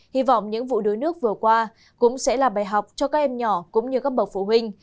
hy vọng những vụ đuối nước vừa qua cũng sẽ là bài học cho các em nhỏ cũng như các bậc phụ huynh